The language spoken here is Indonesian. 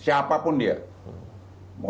siapa pun dia